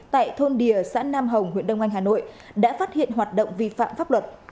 tại thôn đìa xã nam hồng huyện đông anh hà nội đã phát hiện hoạt động vi phạm pháp luật